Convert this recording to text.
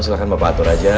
silahkan bapak atur saja